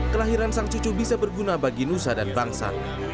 kelahiran sang cucu bisa berguna bagi nusa dan bangsa